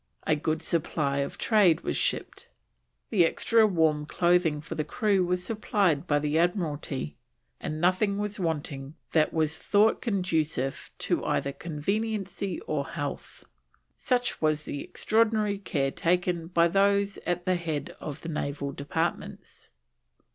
A good supply of trade was shipped, and extra warm clothing for the crew was supplied by the Admiralty: "and nothing was wanting that was thought conducive to either conveniency or health, such was the extraordinary care taken by those at the head of the Naval Departments."